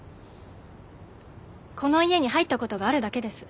この家に入った事があるだけです。